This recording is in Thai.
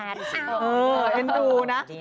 เออเป็นดูนะ